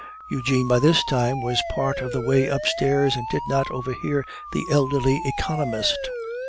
Eugene, by this time, was part of the way upstairs, and did not overhear the elderly economist.